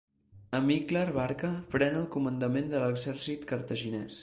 Amílcar Barca pren el comandament de l'exèrcit cartaginès.